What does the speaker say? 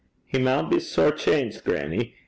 'He maun be sair changed, grannie.